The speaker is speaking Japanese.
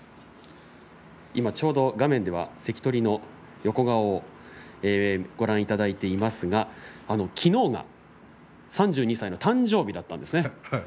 画面では関取の横顔をご覧いただいていますがきのうが３２歳の誕生日だったんですね。